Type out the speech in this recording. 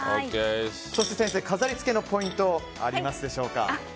そして先生、飾り付けのポイントありますでしょうか？